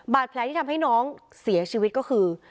แผลที่ทำให้น้องเสียชีวิตก็คือ